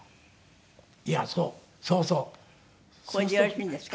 これでよろしいんですか？